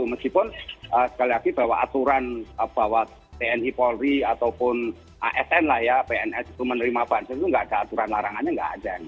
meskipun sekali lagi bahwa aturan bahwa tni polri ataupun asn lah ya pns itu menerima bantuan itu nggak ada aturan larangannya nggak ada